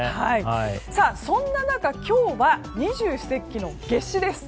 そんな中、今日は二十四節気の夏至です。